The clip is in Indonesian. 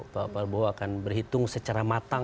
pak prabowo akan berhitung secara matang